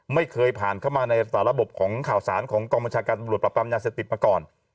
ไม่เคยผ่านเข้ามาในระบบของข่าวสารของกรมชาติการบริวัตรปรับปรับยาเสพติดมาก่อน